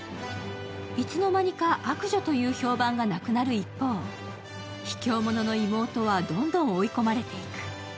いつの間にか悪女という評判がなくなる一方、ひきょう者の妹はどんどん追い込まれていく。